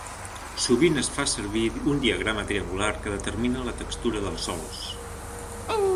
Sovint es fa servir un diagrama triangular que determina la textura dels sòls.